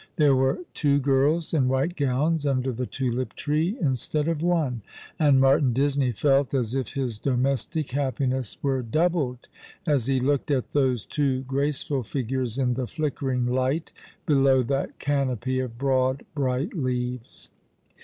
There were two girls, in white gowns, under the tulip tree, instead of one ; and Martin Disney felt as if his domestic happiness wcio doubled, as he looked at those two graceful figures in the flickering light below that canopy of broad bright leaves.